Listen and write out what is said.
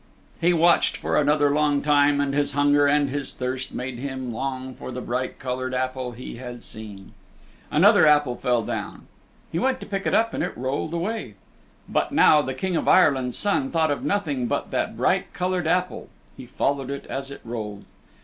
He watched for another long time, and his hunger and his thirst made him long for the bright colored apple he had seen. Another apple fell down. He went to pick it up and it rolled away. But now the King of Ireland's Son thought of nothing hut that bright colored apple. He followed it as it rolled.